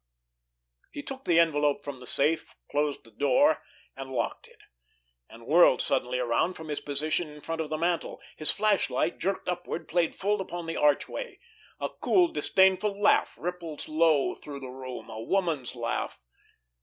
He took the envelope from the safe, closed the door, and locked it—and whirled suddenly around from his position in front of the mantel. His flashlight, jerked upward, played full upon the archway. A cool, disdainful laugh rippled low through the room—a woman's laugh.